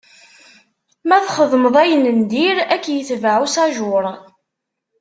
Ma txedmeḍ ayen n dir, Ad k-itbaɛ usajuṛ.